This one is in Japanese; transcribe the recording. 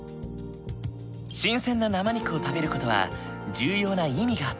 新鮮な生肉を食べる事は重要な意味があった。